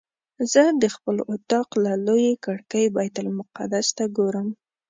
زه د خپل اطاق له لویې کړکۍ بیت المقدس ته ګورم.